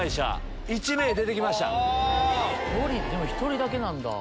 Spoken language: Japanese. でも１人だけなんだ。